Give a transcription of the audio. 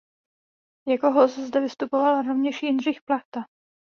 Jako host zde vystupoval rovněž Jindřich Plachta.